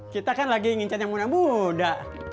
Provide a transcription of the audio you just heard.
kita kan lagi ingin cat yang muda